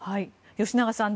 吉永さん